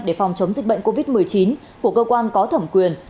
để phòng chống dịch bệnh covid một mươi chín của cơ quan có thẩm quyền